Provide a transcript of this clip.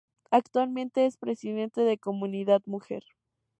Actualmente es Presidenta de Comunidad Mujer.